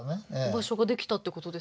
場所ができたってことですよね。